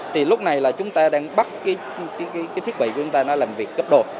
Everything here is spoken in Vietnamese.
thì lúc này là chúng ta đang bắt cái thiết bị của chúng ta nó làm việc cấp độ